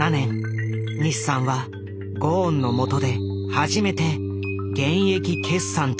日産はゴーンのもとで初めて減益決算となる。